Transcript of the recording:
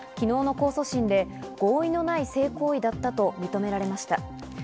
昨日の控訴審で合意のない性行為だったと認められました。